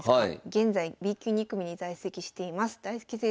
現在Ｂ級２組に在籍しています大介先生。